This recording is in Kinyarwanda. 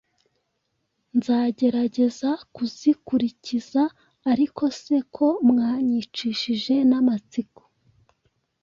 Nzagerageza kuzikurikiza. Ariko se ko mwanyicishije n’amatsiko,